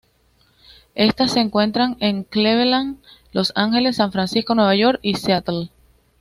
Estas se encuentran en Cleveland, Los Ángeles, San Francisco, Nueva York y Seattle.